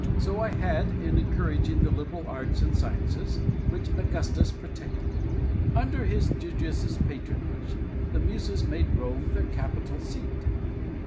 So I had in encouraging the liberal arts and sciences, which Augustus protected. Under his judicious patronage the muses made Rome their capital seat.